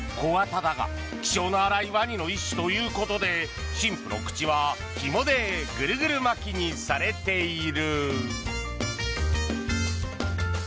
小型だが気性の荒いワニの一種ということで新婦の口はひもでぐるぐる巻きにされている。